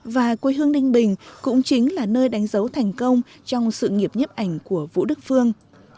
và quê hương ninh bình cũng chính là nơi đánh dấu thành công trong sự nghiệp nhấp ảnh của vũ đức phương